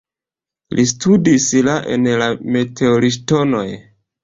Li studas la en la meteorŝtonoj.